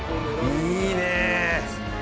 いいね！